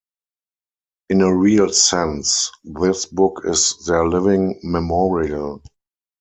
In a real sense, this book is their living memorial.